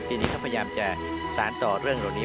ปีนี้เขาพยายามจะสารต่อเรื่องเหล่านี้